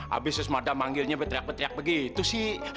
habis sis madam manggilnya berteriak berteriak begitu sih